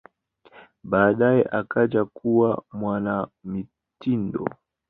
Baadaye akaja kuwa mwanamitindo.